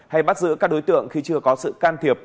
hay bắt giữ các đối tượng khi chưa có sự can thiệp